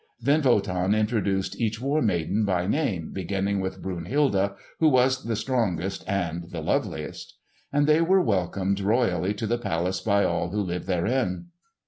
Then Wotan introduced each War Maiden by name, beginning with Brunhilde who was the strongest and the loveliest. And they were welcomed royally to the palace by all who lived therein.